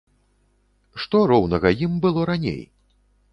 Што роўнага ім было раней?